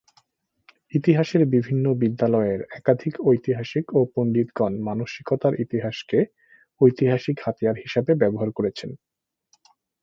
ইতিহাসের বিভিন্ন বিদ্যালয়ের একাধিক ঐতিহাসিক ও পণ্ডিতগণ মানসিকতার ইতিহাসকে ঐতিহাসিক হাতিয়ার হিসাবে ব্যবহার করেছেন।